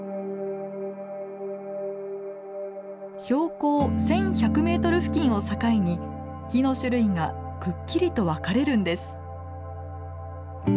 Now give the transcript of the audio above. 標高１，１００メートル付近を境に木の種類がくっきりと分かれるんです。